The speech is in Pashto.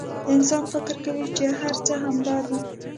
انسان فکر کوي چې هر څه همدا دي.